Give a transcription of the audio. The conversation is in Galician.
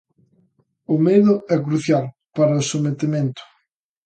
O medo é crucial para o sometemento.